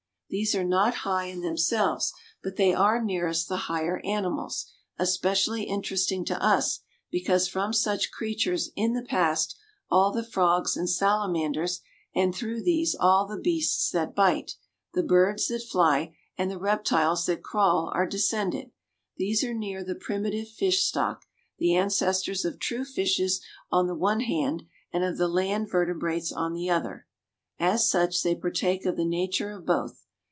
These are not high in themselves, but they are nearest the higher animals, especially interesting to us because from such creatures in the past all the frogs and salamanders, and through these all the beasts that bite, the birds that fly and the reptiles that crawl are descended. These are near the primitive fish stock, the ancestors of true fishes on the one hand and of the land vertebrates on the other. As such, they partake of the nature of both.